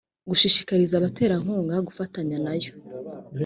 gushishikariza abaterankunga gufatanya nayo